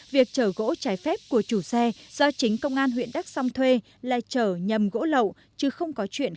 việc trở gỗ trái phép của chủ xe do chính công an huyện đắk sông thuê là trở nhầm gỗ lậu chứ không có chuyện